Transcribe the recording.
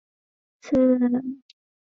他曾三次担任希腊首相。